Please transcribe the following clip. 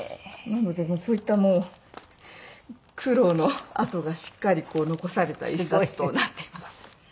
なのでそういった苦労の跡がしっかり残された１冊となっています。